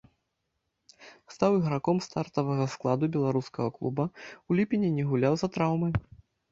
Стаў іграком стартавага складу беларускага клуба, у ліпені не гуляў з-за траўмы.